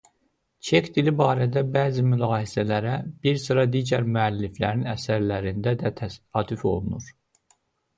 Cek dili barədə bəzi mülahizələrə bir sıra digər müəlliflərin əsərlərində də təsadüf olunur.